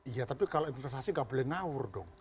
iya tapi kalau investasi nggak boleh ngawur dong